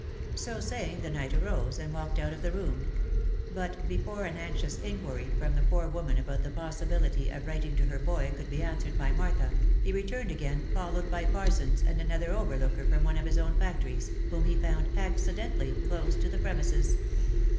So saying the knight arose, and waikedout of the room ; but, before an anxious inquiry from the poor woman about the possibility of writ ing to her boy could be answered by Martha, he returned again, fol lowed by Parsons and another overlooker from one of his own factories, whom he found accidentally close to the premises.